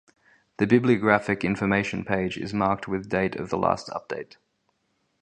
The bibliographic information page is marked with date of the last update.